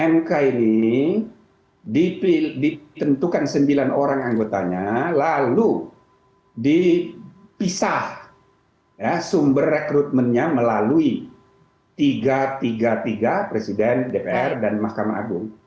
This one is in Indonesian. mk ini ditentukan sembilan orang anggotanya lalu dipisah sumber rekrutmennya melalui tiga ratus tiga puluh tiga presiden dpr dan mahkamah agung